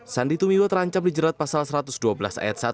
sandi tumiwa terancam dijerat pasal satu ratus dua belas ayat satu